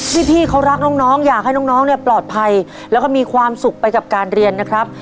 พี่เขารักน้องอยากให้น้องเนี่ยปลอดภัยแล้วก็มีความสุขไปกับการเรียนนะครับ